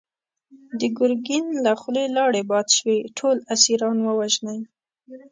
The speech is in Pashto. د ګرګين له خولې لاړې باد شوې! ټول اسيران ووژنی!